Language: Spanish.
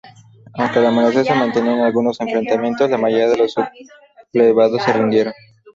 Aunque al amanecer se mantenían algunos enfrentamientos, la mayoría de los sublevados se rindieron.